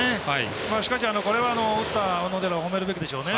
しかし、これは打った小野寺を褒めるべきですね。